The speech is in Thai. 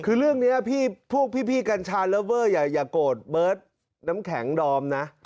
คือเรื่องนี้พวกพี่กัญชาเลิฟเวอร์อย่าโกรธเบิร์ตน้ำแข็งดอมนะ